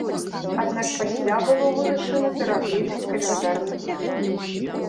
Аднак пасля было вырашана пераглядзець каляндарны план.